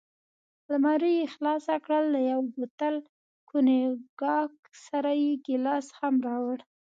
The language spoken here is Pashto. المارۍ یې خلاصه کړل، له یو بوتل کونیګاک سره یې ګیلاس هم راوړ.